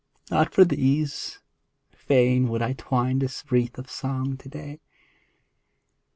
not for these — Fain would I twine this wreath of song to day.